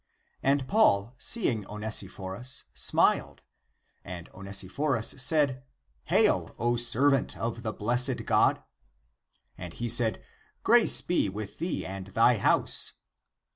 And Paul, seeing Onesiphorus, smiled; and Onesiphorus said, " Hail, O servant of the blessed God." And he said, " Grace be with thee and thy house."